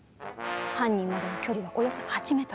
犯人までの距離はおよそ８ｍ。